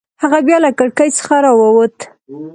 هغه بیا له کړکۍ څخه راووت.